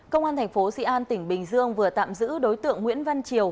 công an tp sĩ an tỉnh bình dương vừa tạm giữ đối tượng nguyễn văn triều